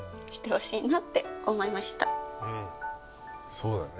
そうだね。